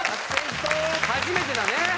初めてだね。